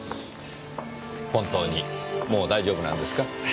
本当にもう大丈夫なんですか？